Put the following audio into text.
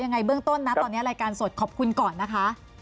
ยังไงเบื้องต้นนะตอนนี้รายการสดขอบคุณก่อนนะคะ